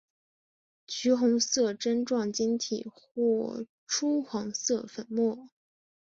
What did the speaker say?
橘红色针状晶体或赭黄色粉末。